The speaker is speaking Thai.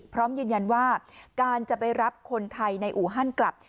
พร้อมยืนยันว่าการจะไปรับคนไทยในอู่ฮั่นกลับ